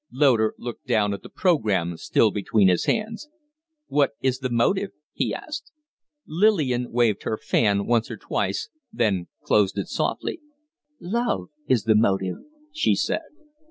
Loder looked down at the programme still between his hands. "What is the motive?" he asked. Lillian waved her fan once or twice, then closed it softly. "Love is the motive," she said.